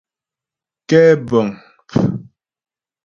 Kɛ́bə̀ŋ.